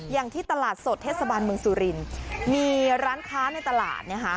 อย่างที่ตลาดสดเทศบาลเมืองสุรินทร์มีร้านค้าในตลาดนะคะ